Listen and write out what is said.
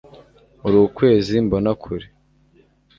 uri ukwezi mbona kure